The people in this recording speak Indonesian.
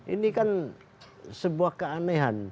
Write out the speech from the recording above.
ini kan sebuah keanehan